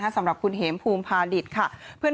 สำหรับคุณเหมภูมิพาดิตค่ะ